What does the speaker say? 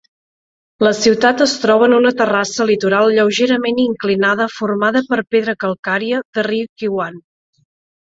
La ciutat es troba en una terrassa litoral lleugerament inclinada formada per pedra calcària de Ryukyuan.